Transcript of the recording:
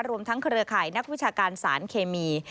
รวมทั้งเครือข่ายนักวิชาการสารเคมี